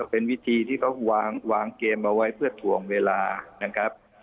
เป็นวิธีที่เขาวางเกมเอาไว้เพื่อถ่วงเวลานะครับ